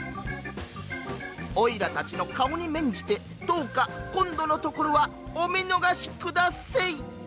「オイラたちの顔に免じてどうか今度のところはお見逃しくだせい！」。